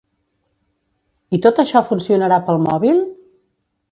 I tot això funcionarà pel mòbil?